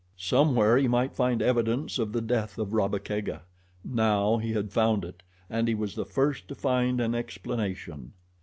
Somewhere he might find evidence of the death of Rabba Kega. Now he had found it, and he was the first to find an explanation.